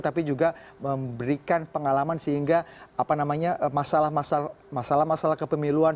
tapi juga memberikan pengalaman sehingga masalah masalah kepemiluan